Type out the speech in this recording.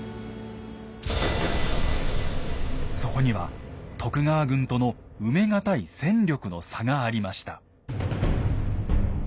そこには徳川軍との埋め難い戦力の差がありました。